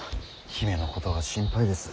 姫のことが心配です。